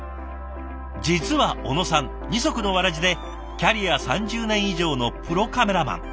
実は小野さん二足のわらじでキャリア３０年以上のプロカメラマン。